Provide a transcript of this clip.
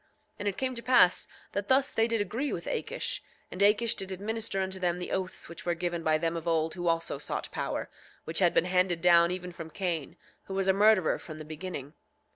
8:15 And it came to pass that thus they did agree with Akish. And Akish did administer unto them the oaths which were given by them of old who also sought power, which had been handed down even from Cain, who was a murderer from the beginning.